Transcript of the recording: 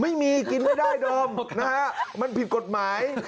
ไม่มีกินไม่ได้เดิมนะฮะมันผิดกฎหมาย